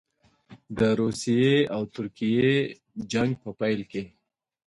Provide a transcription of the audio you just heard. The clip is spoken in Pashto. د روسیې او ترکیې جنګ په پیل کې.